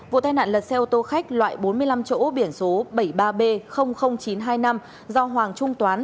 vụ tai nạn lật xe ô tô khách loại bốn mươi năm chỗ biển số bảy mươi ba b chín trăm hai mươi năm do hoàng trung toán